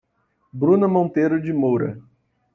Bruna Monteiro de Moura